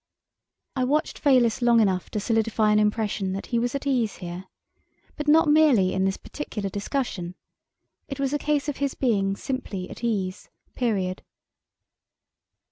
I watched Fayliss long enough to solidify an impression that he was at ease here but not merely in this particular discussion. It was a case of his being simply at ease, period.